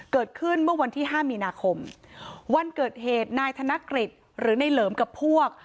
เกิดขึ้นเมื่อวันที่ห้ามีนาคมวันเกิดเหตุนายธนกฤษหรือในเหลิมกับพวก